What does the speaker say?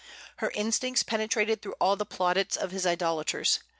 Her instincts penetrated through all the plaudits of his idolaters.